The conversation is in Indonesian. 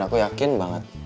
dan aku yakin banget